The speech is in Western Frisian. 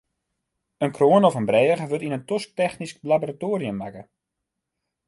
In kroan of in brêge wurdt yn in tosktechnysk laboratoarium makke.